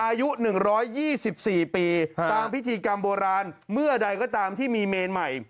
อายุ๑๒๔ปีตามพิธีกรรมโบราณเมื่อใดก็ตามที่มีเมนใหม่